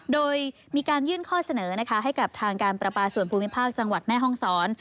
โดยมีการยื่นข้อเสนอนะคะให้กับทางการประปาส่วนภูมิภาคจังหวัดแม่ห้องศร